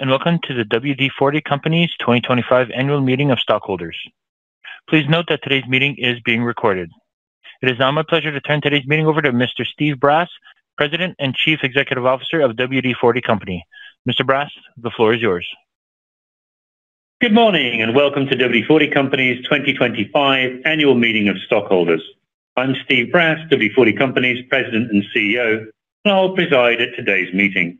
Hello, and welcome to the WD-40 Company's 2025 Annual Meeting of Stockholders. Please note that today's meeting is being recorded. It is now my pleasure to turn today's meeting over to Mr. Steve Brass, President and Chief Executive Officer of WD-40 Company. Mr. Brass, the floor is yours. Good morning, and welcome to WD-40 Company's 2025 Annual Meeting of Stockholders. I'm Steve Brass, WD-40 Company's President and CEO, and I'll preside at today's meeting.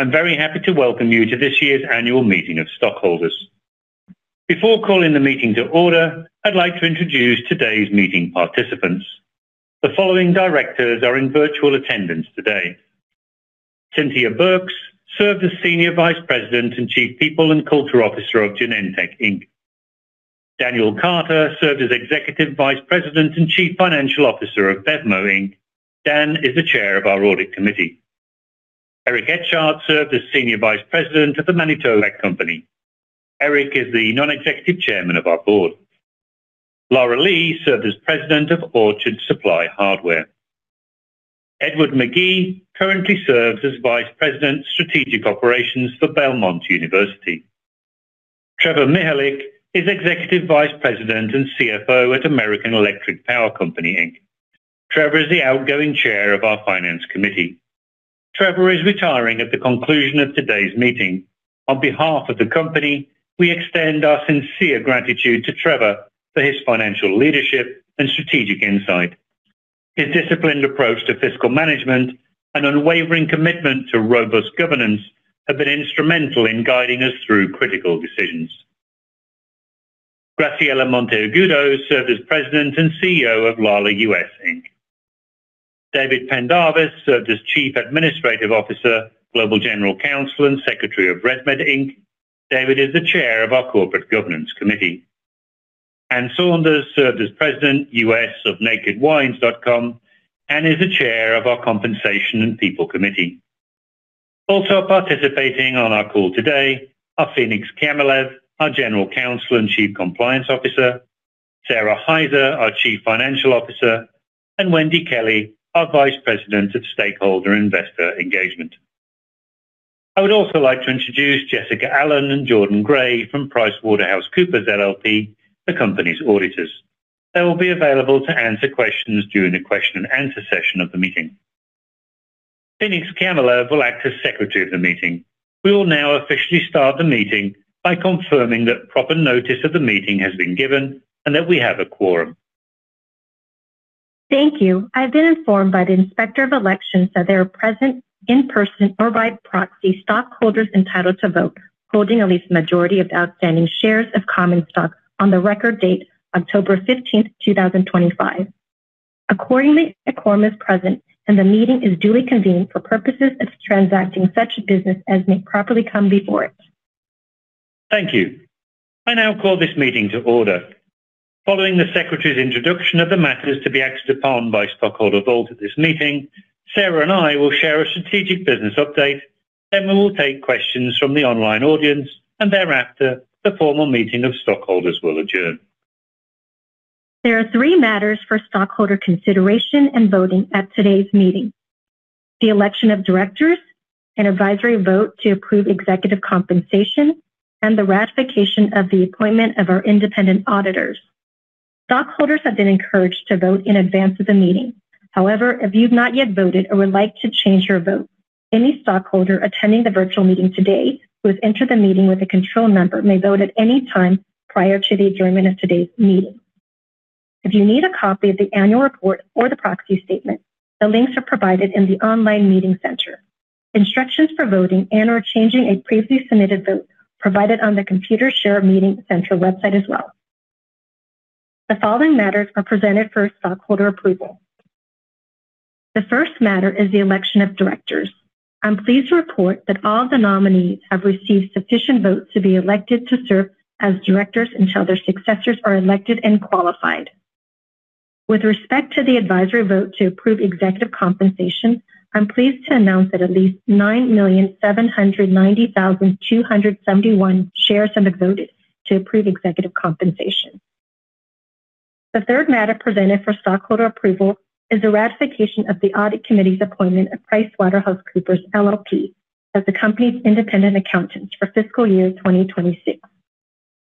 I'm very happy to welcome you to this year's Annual Meeting of Stockholders. Before calling the meeting to order, I'd like to introduce today's meeting participants. The following directors are in virtual attendance today: Cynthia Burks, served as Senior Vice President and Chief People and Culture Officer of Genentech Inc. Daniel Carter, served as Executive Vice President and Chief Financial Officer of BevMo! Inc. Dan is the Chair of our Audit Committee. Eric Etchart, served as Senior Vice President of the Manitowoc Company. Eric is the Non-Executive Chairman of our Board. Lara Lee served as President of Orchard Supply Hardware. Edward McGhee, currently serves as Vice President, Strategic Operations for Belmont University. Trevor Mihalik is Executive Vice President and CFO at American Electric Power Company Inc. Trevor is the Outgoing Chair of our Finance Committee. Trevor is retiring at the conclusion of today's meeting. On behalf of the company, we extend our sincere gratitude to Trevor for his financial leadership and strategic insight. His disciplined approach to fiscal management and unwavering commitment to robust governance have been instrumental in guiding us through critical decisions. Graciela Monteagudo served as President and CEO of LALA U.S., Inc. David Pendarvis served as Chief Administrative Officer, Global General Counsel, and Secretary of ResMed Inc. David is the Chair of our Corporate Governance Committee. Anne Saunders served as US President of NakedWines.com, and is the Chair of our Compensation and People Committee. Also participating on our call today are Phenix Kiamilev, our General Counsel and Chief Compliance Officer, Sara Hyzer, our Chief Financial Officer, and Wendy Kelley, our Vice President of Stakeholder and Investor Engagement. I would also like to introduce Jessica Allen and Jordan Gray from PricewaterhouseCoopers LLP, the company's auditors. They will be available to answer questions during the question-and-answer session of the meeting. Phenix Kiamilev will act as Secretary of the Meeting. We will now officially start the meeting by confirming that proper notice of the meeting has been given and that we have a quorum. Thank you. I've been informed by the Inspector of Elections that there are present in-person or by proxy stockholders entitled to vote, holding at least a majority of outstanding shares of common stock on the record date, October 15th, 2025. Accordingly, a quorum is present, and the meeting is duly convened for purposes of transacting such business as may properly come before it. Thank you. I now call this meeting to order. Following the Secretary's introduction of the matters to be acted upon by stockholder votes at this meeting, Sara and I will share a strategic business update. Then we will take questions from the online audience, and thereafter, the formal meeting of stockholders will adjourn. There are three matters for stockholder consideration and voting at today's meeting: the election of directors, an advisory vote to approve executive compensation, and the ratification of the appointment of our independent auditors. Stockholders have been encouraged to vote in advance of the meeting. However, if you've not yet voted or would like to change your vote, any stockholder attending the virtual meeting today who has entered the meeting with a control number may vote at any time prior to the adjournment of today's meeting. If you need a copy of the annual report or the proxy statement, the links are provided in the online meeting center. Instructions for voting and/or changing a previously submitted vote are provided on the Computershare Meeting Center website as well. The following matters are presented for stockholder approval. The first matter is the election of directors. I'm pleased to report that all of the nominees have received sufficient votes to be elected to serve as directors until their successors are elected and qualified. With respect to the advisory vote to approve executive compensation, I'm pleased to announce that at least 9,790,271 shares have been voted to approve executive compensation. The third matter presented for stockholder approval is the ratification of the Audit Committee's appointment of PricewaterhouseCoopers LLP as the company's independent accountant for fiscal year 2026.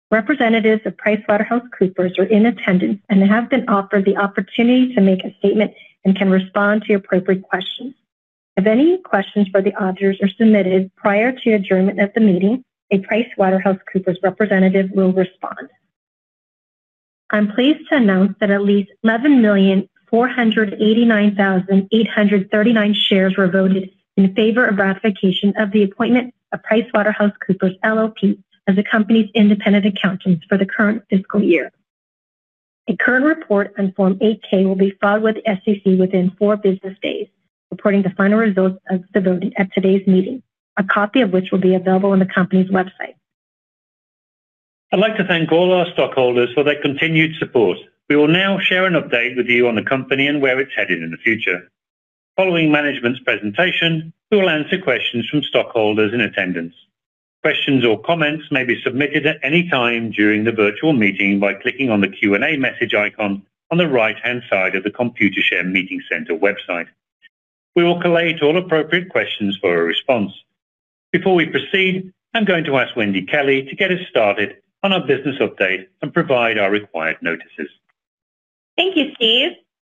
Representatives of PricewaterhouseCoopers are in attendance and have been offered the opportunity to make a statement and can respond to appropriate questions. If any questions for the auditors are submitted prior to the adjournment of the meeting, a PricewaterhouseCoopers representative will respond. I'm pleased to announce that at least 11,489,839 shares were voted in favor of ratification of the appointment of PricewaterhouseCoopers LLP as the company's independent accountant for the current fiscal year. A current report on Form 8-K will be filed with the SEC within four business days, reporting the final results of the voting at today's meeting, a copy of which will be available on the company's website. I'd like to thank all our stockholders for their continued support. We will now share an update with you on the company and where it's headed in the future. Following management's presentation, we will answer questions from stockholders in attendance. Questions or comments may be submitted at any time during the virtual meeting by clicking on the Q&A message icon on the right-hand side of the Computershare Meeting Center website. We will collate all appropriate questions for a response. Before we proceed, I'm going to ask Wendy Kelley to get us started on our business update and provide our required notices. Thank you, Steve.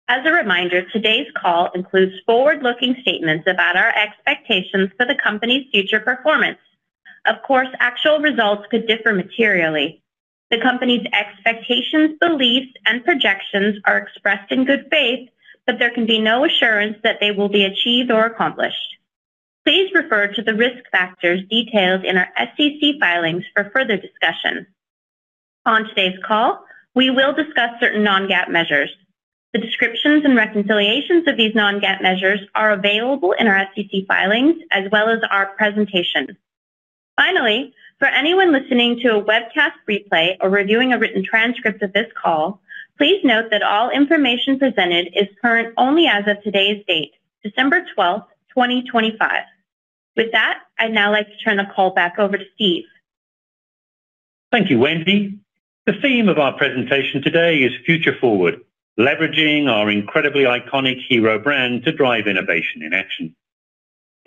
As a reminder, today's call includes forward-looking statements about our expectations for the company's future performance. Of course, actual results could differ materially. The company's expectations, beliefs, and projections are expressed in good faith, but there can be no assurance that they will be achieved or accomplished. Please refer to the risk factors detailed in our SEC filings for further discussion. On today's call, we will discuss certain Non-GAAP measures. The descriptions and reconciliations of these Non-GAAP measures are available in our SEC filings as well as our presentation. Finally, for anyone listening to a webcast replay or reviewing a written transcript of this call, please note that all information presented is current only as of today's date, December 12, 2025. With that, I'd now like to turn the call back over to Steve. Thank you, Wendy. The theme of our presentation today is Future Forward, leveraging our incredibly iconic hero brand to drive innovation in action.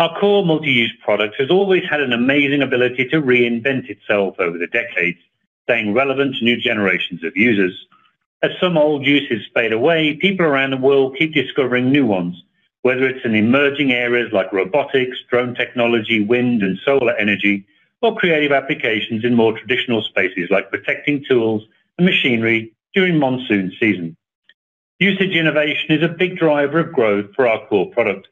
Our core multi-use product has always had an amazing ability to reinvent itself over the decades, staying relevant to new generations of users. As some old uses fade away, people around the world keep discovering new ones, whether it's in emerging areas like robotics, drone technology, wind and solar energy, or creative applications in more traditional spaces like protecting tools and machinery during monsoon season. Usage innovation is a big driver of growth for our core product.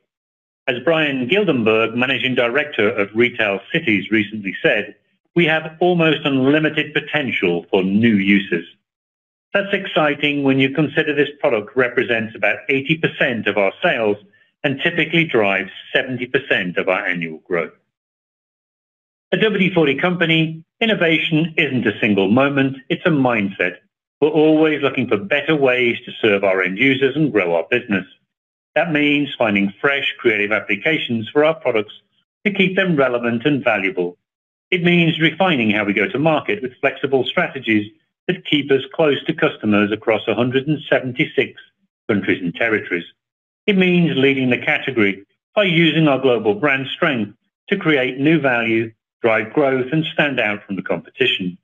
As Brian Gildenberg, Managing Director of Retail Cities, recently said, we have almost unlimited potential for new uses. That's exciting when you consider this product represents about 80% of our sales and typically drives 70% of our annual growth. At WD-40 Company, innovation isn't a single moment. It's a mindset. We're always looking for better ways to serve our end users and grow our business. That means finding fresh, creative applications for our products to keep them relevant and valuable. It means refining how we go to market with flexible strategies that keep us close to customers across 176 countries and territories. It means leading the category by using our global brand strength to create new value, drive growth, and stand out from the competition.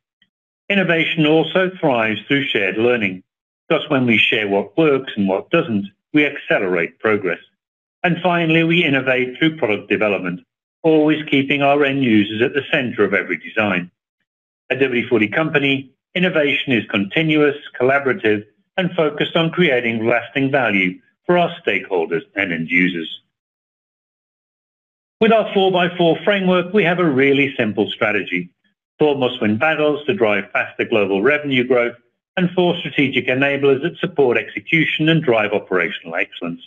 Innovation also thrives through shared learning. Just when we share what works and what doesn't, we accelerate progress. And finally, we innovate through product development, always keeping our end users at the center of every design. At WD-40 Company, innovation is continuous, collaborative, and focused on creating lasting value for our stakeholders and end users. With our 4x4 Framework, we have a really simple strategy: four Must-Win Battles to drive faster global revenue growth and four strategic enablers that support execution and drive operational excellence.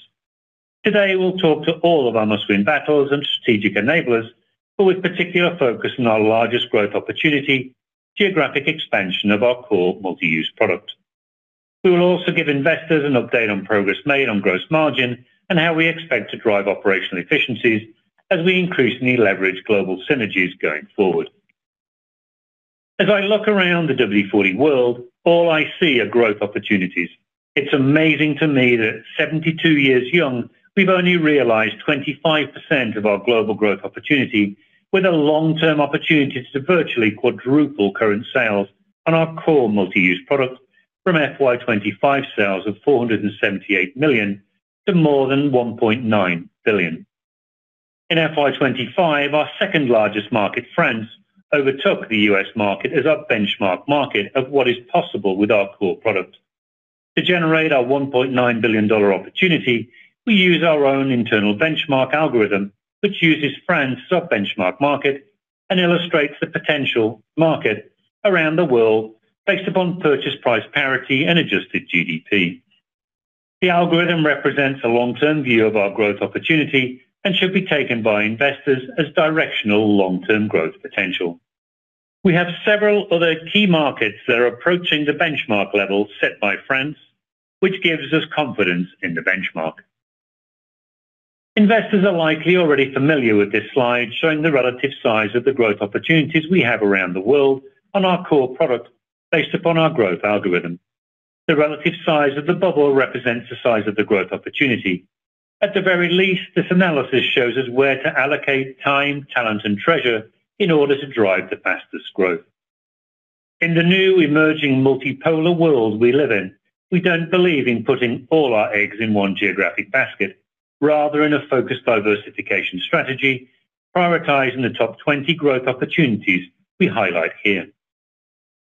Today, we'll talk to all of our Must-Win Battles and strategic enablers, but with particular focus on our largest growth opportunity: geographic expansion of our core multi-use product. We will also give investors an update on progress made on gross margin and how we expect to drive operational efficiencies as we increasingly leverage global synergies going forward. As I look around the WD-40 world, all I see are growth opportunities. It's amazing to me that, 72 years young, we've only realized 25% of our global growth opportunity, with a long-term opportunity to virtually quadruple current sales on our core multi-use product from FY25 sales of $478 million to more than $1.9 billion. In FY25, our second-largest market, France, overtook the US market as our benchmark market of what is possible with our core product. To generate our $1.9 billion opportunity, we use our own internal benchmark algorithm, which uses France as our benchmark market and illustrates the potential market around the world based upon purchase price parity and adjusted GDP. The algorithm represents a long-term view of our growth opportunity and should be taken by investors as directional long-term growth potential. We have several other key markets that are approaching the benchmark level set by France, which gives us confidence in the benchmark. Investors are likely already familiar with this slide showing the relative size of the growth opportunities we have around the world on our core product based upon our growth algorithm. The relative size of the bubble represents the size of the growth opportunity. At the very least, this analysis shows us where to allocate time, talent, and treasure in order to drive the fastest growth. In the new emerging multipolar world we live in, we don't believe in putting all our eggs in one geographic basket. Rather, in a focused diversification strategy, prioritizing the top 20 growth opportunities we highlight here.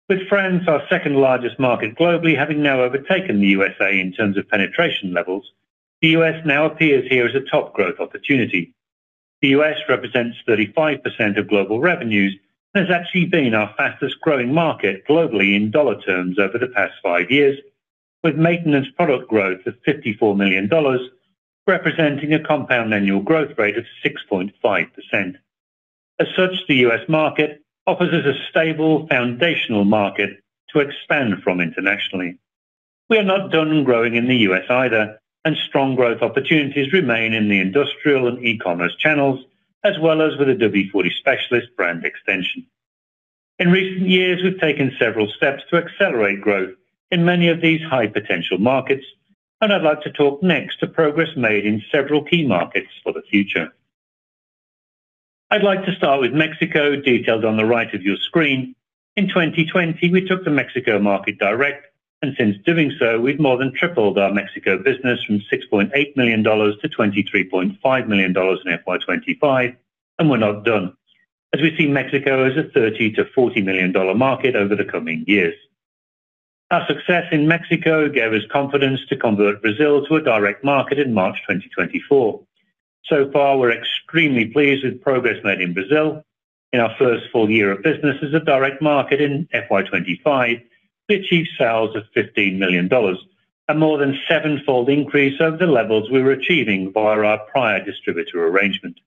With France, our second-largest market globally, having now overtaken the USA in terms of penetration levels, the US now appears here as a top growth opportunity. The US represents 35% of global revenues and has actually been our fastest growing market globally in dollar terms over the past five years, with maintenance product growth of $54 million, representing a compound annual growth rate of 6.5%. As such, the US market offers us a stable, foundational market to expand from internationally. We are not done growing in the US either, and strong growth opportunities remain in the industrial and e-commerce channels, as well as with the WD-40 Specialist brand extension. In recent years, we've taken several steps to accelerate growth in many of these high-potential markets, and I'd like to talk next to progress made in several key markets for the future. I'd like to start with Mexico, detailed on the right of your screen. In 2020, we took the Mexico market direct, and since doing so, we've more than tripled our Mexico business from $6.8 million-$23.5 million in FY25, and we're not done, as we see Mexico as a $30-$40 million market over the coming years. Our success in Mexico gave us confidence to convert Brazil to a direct market in March 2024. So far, we're extremely pleased with progress made in Brazil. In our first full year of business as a direct market in FY25, we achieved sales of $15 million, a more than seven-fold increase over the levels we were achieving via our prior distributor arrangement.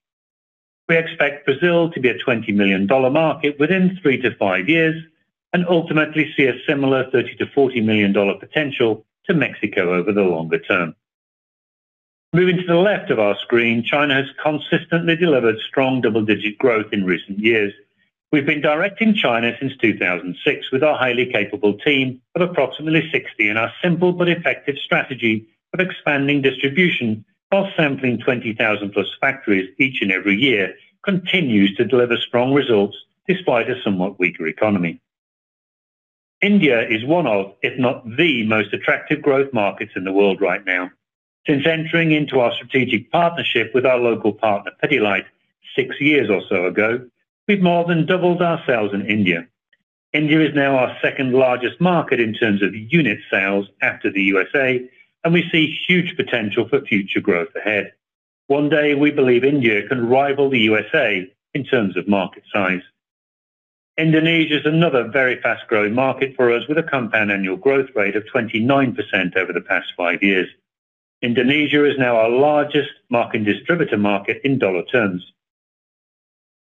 We expect Brazil to be a $20 million market within three to five years and ultimately see a similar $30-$40 million potential to Mexico over the longer term. Moving to the left of our screen, China has consistently delivered strong double-digit growth in recent years. We've been direct in China since 2006 with our highly capable team of approximately 60 and our simple but effective strategy of expanding distribution while sampling 20,000-plus factories each and every year continues to deliver strong results despite a somewhat weaker economy. India is one of, if not the, most attractive growth markets in the world right now. Since entering into our strategic partnership with our local partner, Pidilite, six years or so ago, we've more than doubled our sales in India. India is now our second-largest market in terms of unit sales after the USA, and we see huge potential for future growth ahead. One day, we believe India can rival the USA in terms of market size. Indonesia is another very fast-growing market for us, with a compound annual growth rate of 29% over the past five years. Indonesia is now our largest marketing distributor market in dollar terms.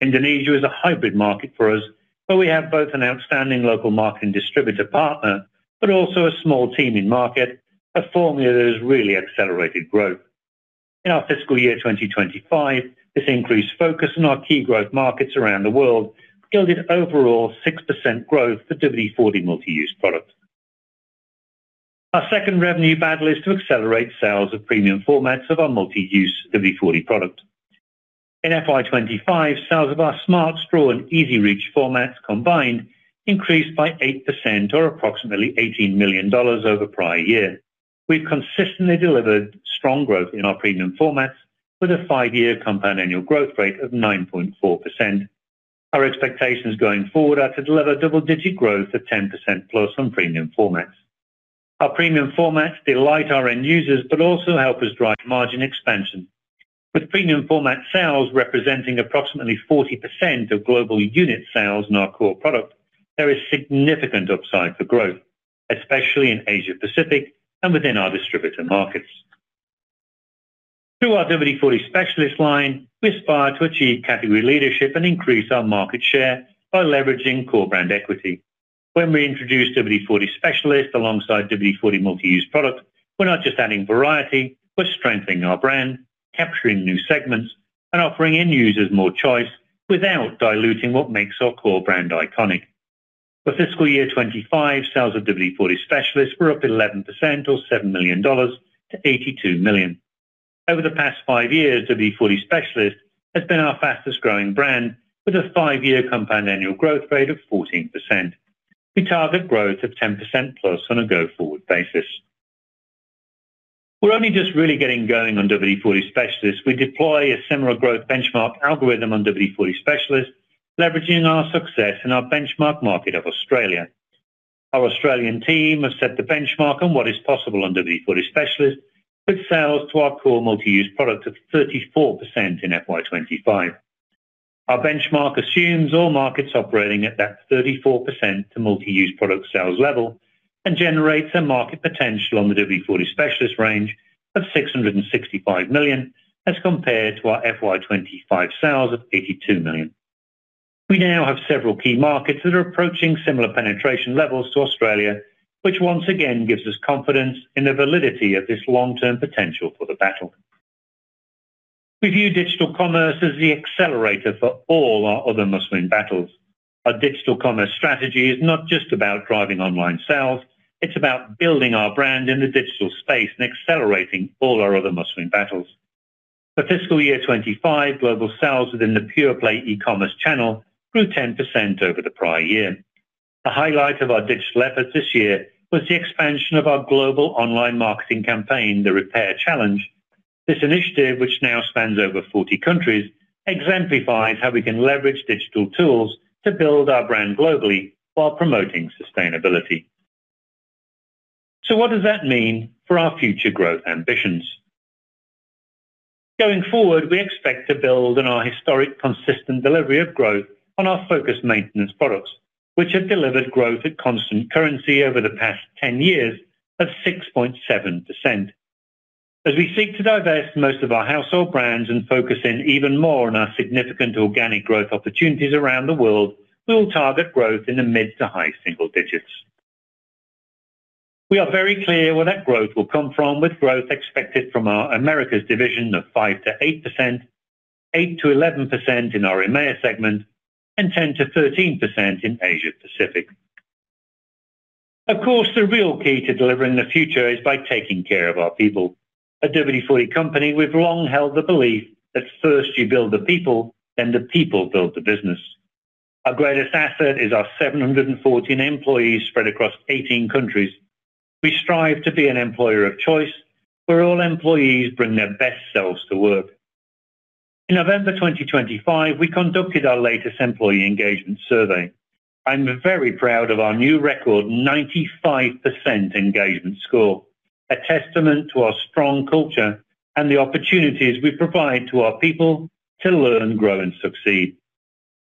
Indonesia is a hybrid market for us, where we have both an outstanding local marketing distributor partner but also a small team in market, a formula that has really accelerated growth. In our fiscal year 2025, this increased focus on our key growth markets around the world yielded overall 6% growth for WD-40 Multi-Use Product. Our second revenue battle is to accelerate sales of premium formats of our Multi-Use WD-40 Product. In FY25, sales of our Smart Straw and EZ-Reach formats combined increased by 8%, or approximately $18 million over the prior year. We've consistently delivered strong growth in our premium formats with a five-year compound annual growth rate of 9.4%. Our expectations going forward are to deliver double-digit growth of 10%+ on premium formats. Our premium formats delight our end users but also help us drive margin expansion. With premium format sales representing approximately 40% of global unit sales in our core product, there is significant upside for growth, especially in Asia-Pacific and within our distributor markets. Through our WD-40 Specialist line, we aspire to achieve category leadership and increase our market share by leveraging core brand equity. When we introduce WD-40 Specialist alongside WD-40 Multi-Use Product, we're not just adding variety. We're strengthening our brand, capturing new segments, and offering end users more choice without diluting what makes our core brand iconic. For fiscal year 25, sales of WD-40 Specialist were up 11%, or $7 million, to $82 million. Over the past five years, WD-40 Specialist has been our fastest-growing brand with a five-year compound annual growth rate of 14%. We target growth of 10%+ on a go-forward basis. We're only just really getting going on WD-40 Specialist. We deploy a similar growth benchmark algorithm on WD-40 Specialist, leveraging our success in our benchmark market of Australia. Our Australian team has set the benchmark on what is possible on WD-40 Specialist with sales to our core Multi-Use Product of 34% in FY25. Our benchmark assumes all markets operating at that 34% to multi-use product sales level and generates a market potential on the WD-40 Specialist range of $665 million as compared to our FY 2025 sales of $82 million. We now have several key markets that are approaching similar penetration levels to Australia, which once again gives us confidence in the validity of this long-term potential for the battle. We view digital commerce as the accelerator for all our other must-win battles. Our digital commerce strategy is not just about driving online sales. It's about building our brand in the digital space and accelerating all our other must-win battles. For fiscal year 2025, global sales within the pure-play e-commerce channel grew 10% over the prior year. A highlight of our digital efforts this year was the expansion of our global online marketing campaign, the Repair Challenge. This initiative, which now spans over 40 countries, exemplifies how we can leverage digital tools to build our brand globally while promoting sustainability. So what does that mean for our future growth ambitions? Going forward, we expect to build on our historic consistent delivery of growth on our focused maintenance products, which have delivered growth at constant currency over the past 10 years of 6.7%. As we seek to divest most of our household brands and focus in even more on our significant organic growth opportunities around the world, we will target growth in the mid to high single digits. We are very clear where that growth will come from, with growth expected from our Americas division of 5%-8%, 8%-11% in our EMEA segment, and 10%-13% in Asia-Pacific. Of course, the real key to delivering the future is by taking care of our people. At WD-40 Company, we've long held the belief that first you build the people, then the people build the business. Our greatest asset is our 714 employees spread across 18 countries. We strive to be an employer of choice where all employees bring their best selves to work. In November 2025, we conducted our latest employee engagement survey. I'm very proud of our new record 95% engagement score, a testament to our strong culture and the opportunities we provide to our people to learn, grow, and succeed.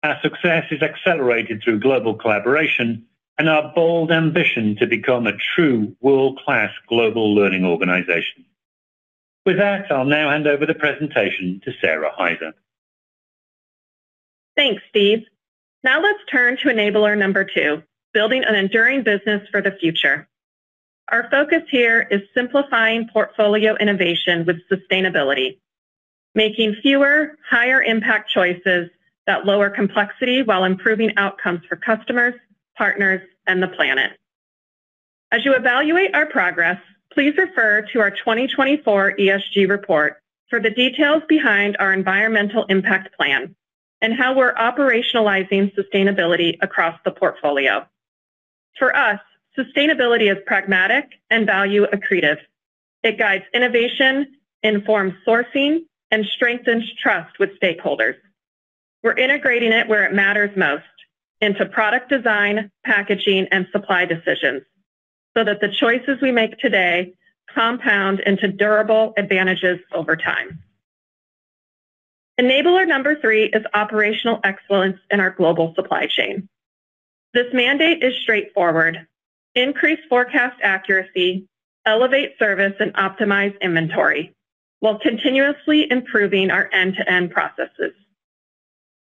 Our success is accelerated through global collaboration and our bold ambition to become a true world-class global learning organization. With that, I'll now hand over the presentation to Sara Hyzer. Thanks, Steve. Now let's turn to enabler number two, building an enduring business for the future. Our focus here is simplifying portfolio innovation with sustainability, making fewer, higher-impact choices that lower complexity while improving outcomes for customers, partners, and the planet. As you evaluate our progress, please refer to our 2024 ESG report for the details behind our environmental impact plan and how we're operationalizing sustainability across the portfolio. For us, sustainability is pragmatic and value-accretive. It guides innovation, informs sourcing, and strengthens trust with stakeholders. We're integrating it where it matters most, into product design, packaging, and supply decisions, so that the choices we make today compound into durable advantages over time. Enabler number three is operational excellence in our global supply chain. This mandate is straightforward: increase forecast accuracy, elevate service, and optimize inventory while continuously improving our end-to-end processes.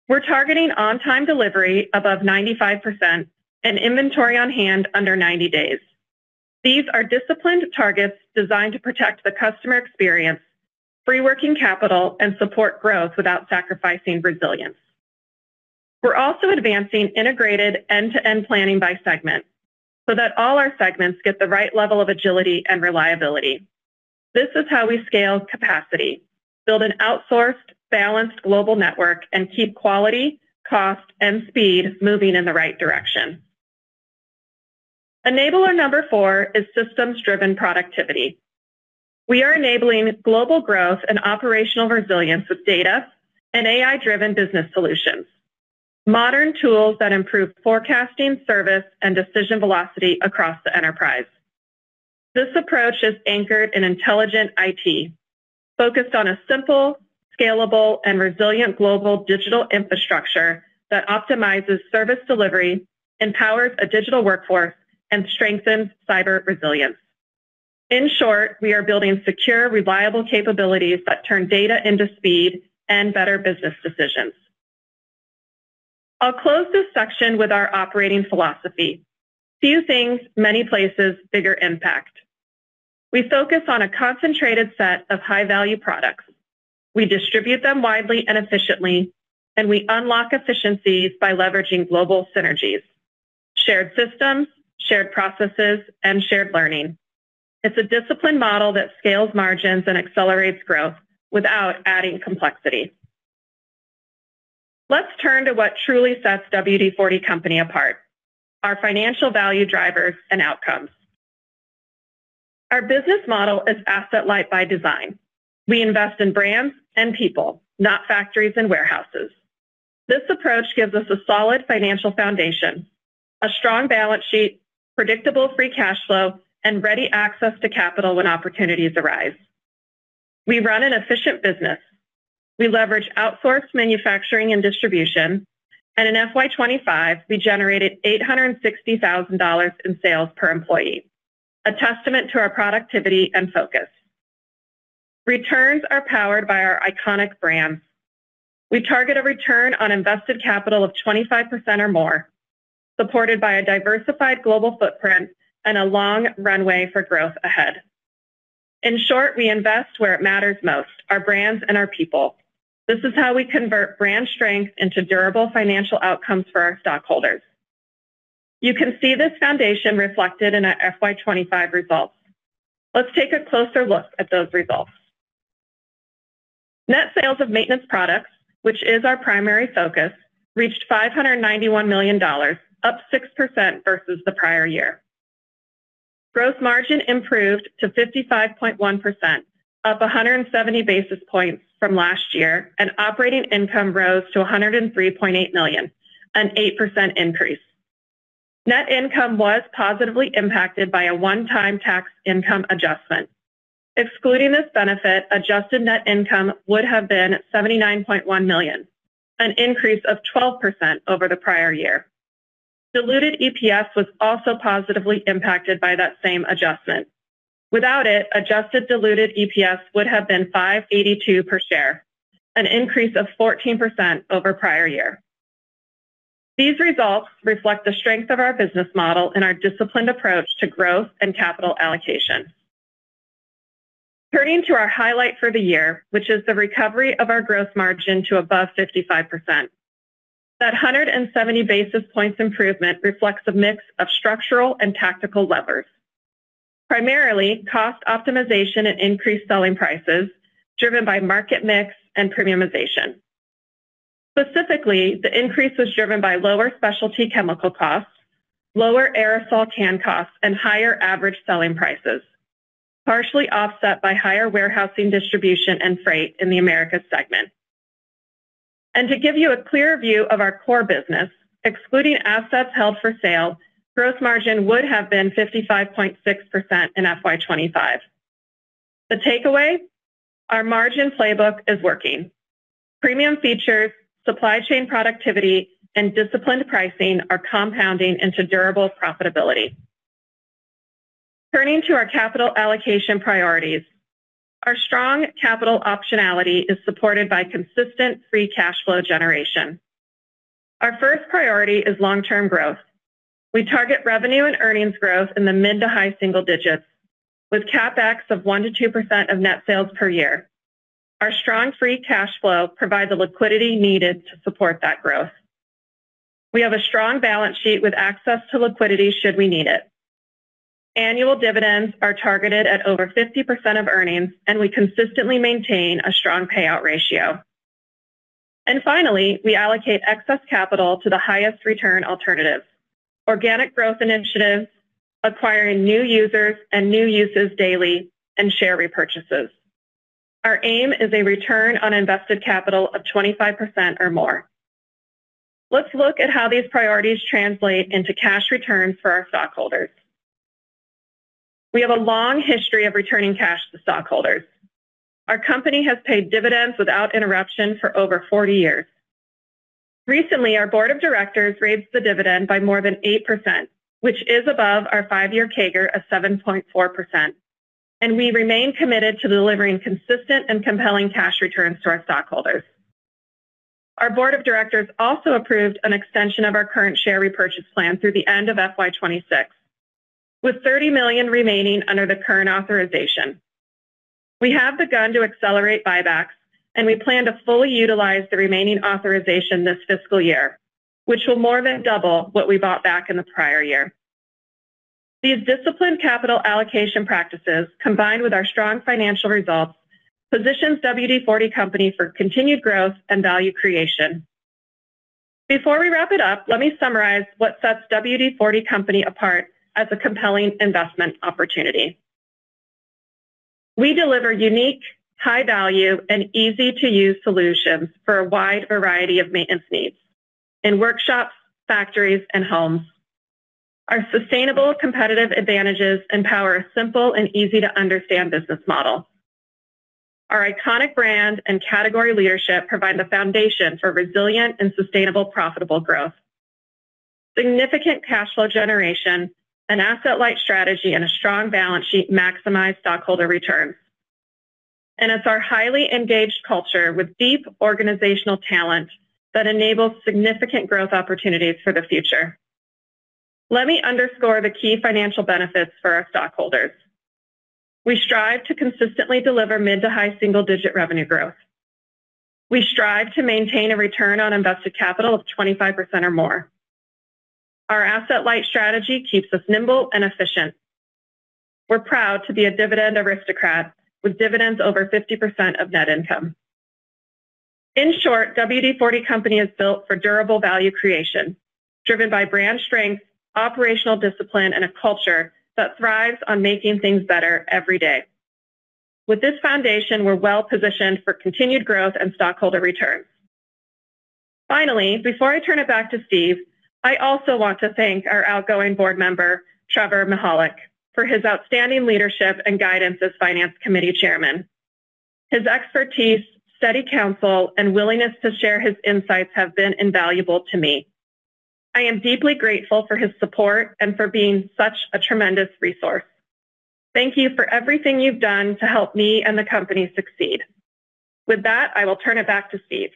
We're targeting on-time delivery above 95% and inventory on hand under 90 days. These are disciplined targets designed to protect the customer experience, free working capital, and support growth without sacrificing resilience. We're also advancing integrated end-to-end planning by segment so that all our segments get the right level of agility and reliability. This is how we scale capacity, build an outsourced, balanced global network, and keep quality, cost, and speed moving in the right direction. Enabler number four is systems-driven productivity. We are enabling global growth and operational resilience with data and AI-driven business solutions, modern tools that improve forecasting, service, and decision velocity across the enterprise. This approach is anchored in intelligent IT, focused on a simple, scalable, and resilient global digital infrastructure that optimizes service delivery, empowers a digital workforce, and strengthens cyber resilience. In short, we are building secure, reliable capabilities that turn data into speed and better business decisions. I'll close this section with our operating philosophy: few things, many places, bigger impact. We focus on a concentrated set of high-value products. We distribute them widely and efficiently, and we unlock efficiencies by leveraging global synergies: shared systems, shared processes, and shared learning. It's a disciplined model that scales margins and accelerates growth without adding complexity. Let's turn to what truly sets WD-40 Company apart: our financial value drivers and outcomes. Our business model is asset-light by design. We invest in brands and people, not factories and warehouses. This approach gives us a solid financial foundation, a strong balance sheet, predictable free cash flow, and ready access to capital when opportunities arise. We run an efficient business. We leverage outsourced manufacturing and distribution, and in FY25, we generated $860,000 in sales per employee, a testament to our productivity and focus. Returns are powered by our iconic brands. We target a return on invested capital of 25% or more, supported by a diversified global footprint and a long runway for growth ahead. In short, we invest where it matters most: our brands and our people. This is how we convert brand strength into durable financial outcomes for our stockholders. You can see this foundation reflected in our FY25 results. Let's take a closer look at those results. Net sales of maintenance products, which is our primary focus, reached $591 million, up 6% versus the prior year. Gross margin improved to 55.1%, up 170 basis points from last year, and operating income rose to $103.8 million, an 8% increase. Net income was positively impacted by a one-time tax income adjustment. Excluding this benefit, adjusted net income would have been $79.1 million, an increase of 12% over the prior year. Diluted EPS was also positively impacted by that same adjustment. Without it, adjusted diluted EPS would have been $5.82 per share, an increase of 14% over prior year. These results reflect the strength of our business model and our disciplined approach to growth and capital allocation. Turning to our highlight for the year, which is the recovery of our gross margin to above 55%, that 170 basis points improvement reflects a mix of structural and tactical levers, primarily cost optimization and increased selling prices driven by market mix and premiumization. Specifically, the increase was driven by lower specialty chemical costs, lower aerosol can costs, and higher average selling prices, partially offset by higher warehousing, distribution, and freight in the Americas segment. And to give you a clear view of our core business, excluding assets held for sale, gross margin would have been 55.6% in FY25. The takeaway? Our margin playbook is working. Premium features, supply chain productivity, and disciplined pricing are compounding into durable profitability. Turning to our capital allocation priorities, our strong capital optionality is supported by consistent free cash flow generation. Our first priority is long-term growth. We target revenue and earnings growth in the mid to high single digits, with CapEx of 1%-2% of net sales per year. Our strong free cash flow provides the liquidity needed to support that growth. We have a strong balance sheet with access to liquidity should we need it. Annual dividends are targeted at over 50% of earnings, and we consistently maintain a strong payout ratio. And finally, we allocate excess capital to the highest return alternatives: organic growth initiatives, acquiring new users and new uses daily, and share repurchases. Our aim is a return on invested capital of 25% or more. Let's look at how these priorities translate into cash returns for our stockholders. We have a long history of returning cash to stockholders. Our company has paid dividends without interruption for over 40 years. Recently, our board of directors raised the dividend by more than 8%, which is above our five-year CAGR of 7.4%, and we remain committed to delivering consistent and compelling cash returns to our stockholders. Our board of directors also approved an extension of our current share repurchase plan through the end of FY26, with $30 million remaining under the current authorization. We have begun to accelerate buybacks, and we plan to fully utilize the remaining authorization this fiscal year, which will more than double what we bought back in the prior year. These disciplined capital allocation practices, combined with our strong financial results, position WD-40 Company for continued growth and value creation. Before we wrap it up, let me summarize what sets WD-40 Company apart as a compelling investment opportunity. We deliver unique, high-value, and easy-to-use solutions for a wide variety of maintenance needs in workshops, factories, and homes. Our sustainable competitive advantages empower a simple and easy-to-understand business model. Our iconic brand and category leadership provide the foundation for resilient and sustainable profitable growth. Significant cash flow generation, an asset-light strategy, and a strong balance sheet maximize stockholder returns, and it's our highly engaged culture with deep organizational talent that enables significant growth opportunities for the future. Let me underscore the key financial benefits for our stockholders. We strive to consistently deliver mid to high single-digit revenue growth. We strive to maintain a Return on Invested Capital of 25% or more. Our asset-light strategy keeps us nimble and efficient. We're proud to be a Dividend Aristocrat with dividends over 50% of net income. In short, WD-40 Company is built for durable value creation, driven by brand strength, operational discipline, and a culture that thrives on making things better every day. With this foundation, we're well-positioned for continued growth and stockholder returns. Finally, before I turn it back to Steve, I also want to thank our outgoing board member, Trevor Mihalik, for his outstanding leadership and guidance as Finance Committee Chairman. His expertise, steady counsel, and willingness to share his insights have been invaluable to me. I am deeply grateful for his support and for being such a tremendous resource. Thank you for everything you've done to help me and the company succeed. With that, I will turn it back to Steve.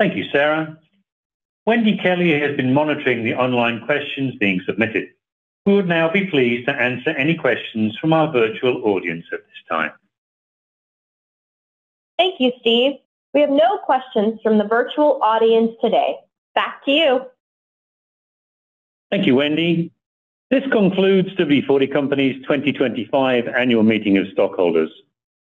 Thank you, Sara. Wendy Kelley has been monitoring the online questions being submitted. We would now be pleased to answer any questions from our virtual audience at this time. Thank you, Steve. We have no questions from the virtual audience today. Back to you. Thank you, Wendy. This concludes WD-40 Company's 2025 annual meeting of stockholders.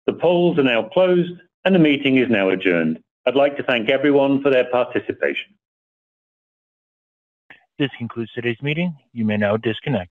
The polls are now closed, and the meeting is now adjourned. I'd like to thank everyone for their participation. This concludes today's meeting. You may now disconnect.